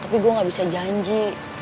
tapi saya tidak bisa janji